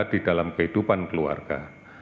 di dalam kehidupan keluarga